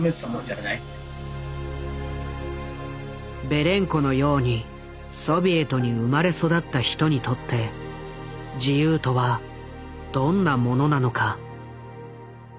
ベレンコのようにソビエトに生まれ育った人にとって自由とはどんなものなのか。